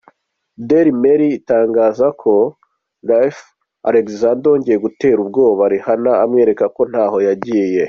Daily Mail itangaza ko, Ralph Alexander yongeye gutera ubwoba Rihanna amwereka ko ntaho yagiye.